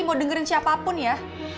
mau dengerin siapapun ya